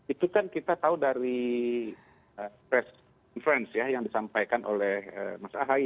itu kan kita tahu dari press conference ya yang disampaikan oleh mas ahaye